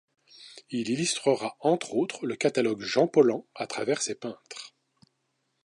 Il illustrera entre autres le catalogue Jean Paulhan à travers ses peintres.